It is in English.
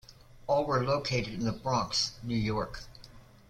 All were located in the Bronx, New York.